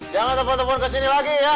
jangan telepon telepon kesini lagi ya